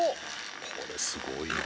これすごいな。